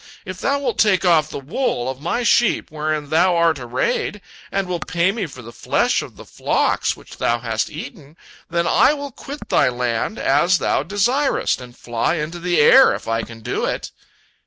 If thou wilt take off the wool of my sheep wherein thou art arrayed, and wilt pay me for the flesh of the flocks which thou hast eaten, then I will quit thy land as thou desirest, and fly into the air, if I can do it."